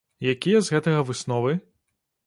Якія з гэтага высновы?